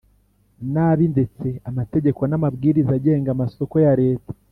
Nabi ndetse amategeko n amabwiriza agenga amasoko ya leta